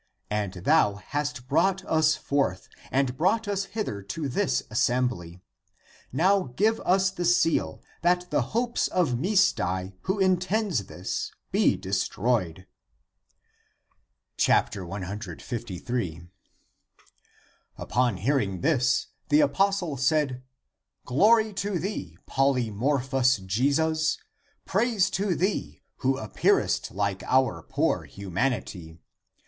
And thou hast brought us forth and brought us hither to this assembly. Now give us the seal that the hopes of Misdai, who intends this, be destroyed." 153 Upon hearing this, the apostle said, " Glory to thee, polymorphous Jesus ; praise to thee, who appearest like our poor humanity!